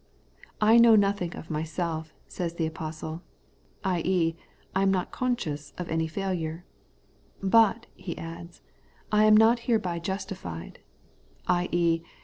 ' I know nothing of myself,' says the apostle ; ix, I am not conscious of any failure ;' but,' he adds, ' I am not hereby justified ;' i.e.